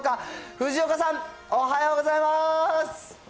藤岡さん、おはようございます。